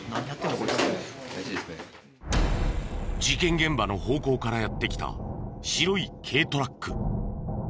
事件現場の方向からやって来た白い軽トラック。